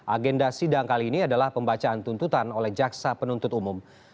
agenda sidang kali ini adalah pembacaan tuntutan oleh jaksa penuntut umum